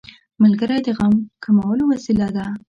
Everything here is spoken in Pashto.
ملګری د غم کمولو وسیله ده